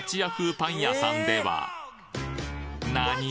パン屋さんでは何？